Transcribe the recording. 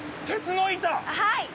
はい！